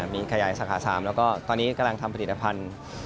มีขยายสาขา๓แล้วก็ตอนนี้กำลังทำผลิตภัณฑ์